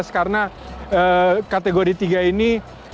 karena kategori tiga ini pintu